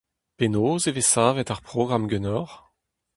Penaos e vez savet ar programm ganeoc'h ?